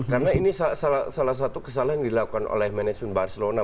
karena ini salah satu kesalahan yang dilakukan oleh manajemen barcelona